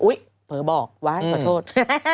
อุ๊ยเผลอบอกไว้ประโทษ